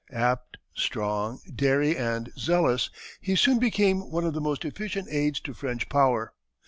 Apt, strong, daring, and zealous, he soon became one of the most efficient aids to French power.